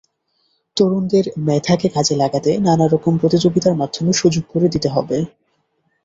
তরুণদের মেধাকে কাজে লাগাতে নানা রকম প্রতিযোগিতার মাধ্যমে সুযোগ করে দিতে হবে।